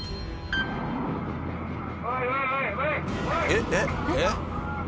えっ？えっ？えっ？